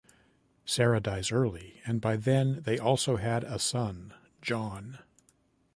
Sara dies early and by then they also had a son Jon.